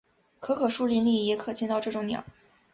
可可树林里也可见到这种鸟。